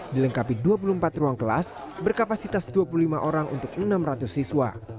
dilengkapi dua puluh empat ruang kelas berkapasitas dua puluh lima orang untuk enam ratus siswa